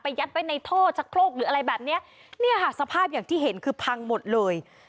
ยัดไว้ในท่อชะโครกหรืออะไรแบบเนี้ยเนี่ยค่ะสภาพอย่างที่เห็นคือพังหมดเลย